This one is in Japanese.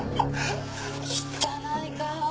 汚い顔。